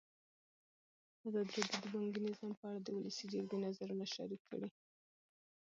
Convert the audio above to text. ازادي راډیو د بانکي نظام په اړه د ولسي جرګې نظرونه شریک کړي.